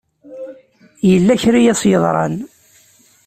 Yella kra i as-yeḍran.